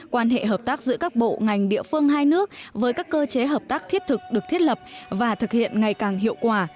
quan hệ hợp tác giữa các bộ ngành địa phương hai nước với các cơ chế hợp tác thiết thực được thiết lập và thực hiện ngày càng hiệu quả